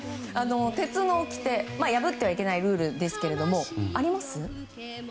鉄のおきて破ってはいけないルールですけどありますか？